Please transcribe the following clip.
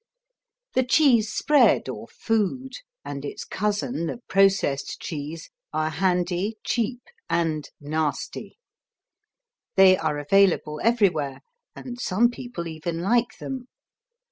The cheese spread or "food" and its cousin, the processed cheese, are handy, cheap and nasty. They are available everywhere and some people even like them.